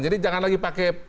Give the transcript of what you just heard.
jadi jangan lagi pakai